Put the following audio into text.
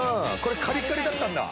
カリカリだったんだ。